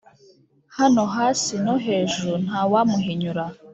Hano hasi no hejuru ntawamuhinyura